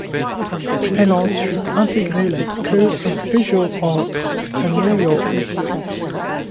Elle a ensuite intégré la School of Visual Arts à New York.